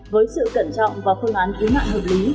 với sự cẩn trọng và phương án ý mạng hợp lý